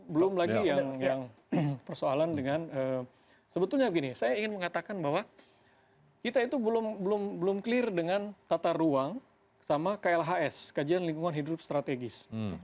belum lagi yang persoalan dengan sebetulnya begini saya ingin mengatakan bahwa kita itu belum clear dengan tata ruang sama klhs kajian lingkungan hidup strategis